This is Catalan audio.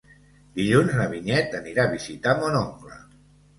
Dilluns na Vinyet anirà a visitar mon oncle.